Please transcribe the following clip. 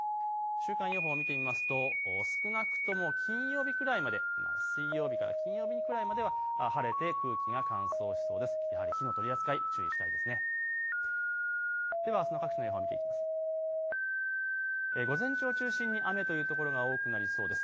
週間予報を見てみますと少なくとも金曜日くらいまで、水曜日から金曜日くらいまでは晴れて空気が乾燥しそうです。